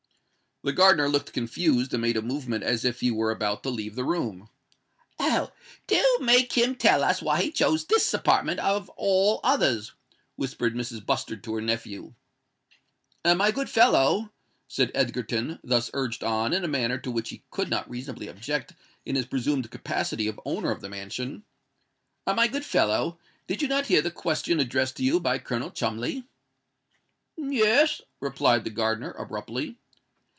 The gardener looked confused, and made a movement as if he were about to leave the room. "Oh! do make him tell us why he chose this apartment of all others!" whispered Mrs. Bustard to her nephew. "My good fellow," said Egerton, thus urged on in a manner to which he could not reasonably object in his presumed capacity of owner of the mansion,—"my good fellow, did you not hear the question addressed to you by Colonel Cholmondeley?" "Yes," replied the gardener, abruptly.